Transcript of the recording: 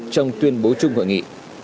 trong tuyên bố chung hội nghị